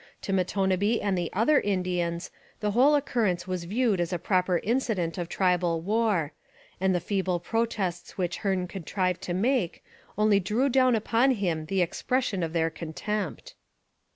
To Matonabbee and the other Indians the whole occurrence was viewed as a proper incident of tribal war, and the feeble protests which Hearne contrived to make only drew down upon him the expression of their contempt.